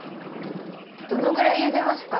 どのぐらいゆでますか？